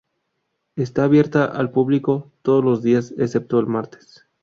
Está abierta al público todos los días excepto el martes.